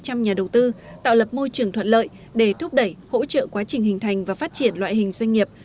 các nhà đầu tư tạo lập môi trường thuận lợi để thúc đẩy hỗ trợ quá trình hình thành và phát triển loại hình doanh nghiệp